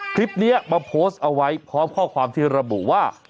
คลิปนี้มาโพสต์เอาไว้พร้อมข้อความที่ระบุว่า